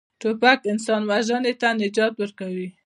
توپک انسان وژني، نه نجات ورکوي.